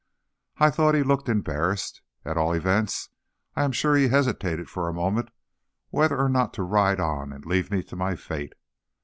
I thought he looked embarrassed. At all events, I am sure he hesitated for a moment whether or not to ride on and leave me to my fate.